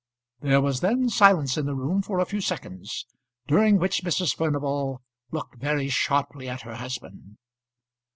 There was then silence in the room for a few seconds, during which Mrs. Furnival looked very sharply at her husband.